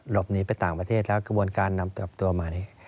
หลบหนีไปต่างประเทศแล้วกระบวนการนำเติบตัวใหม่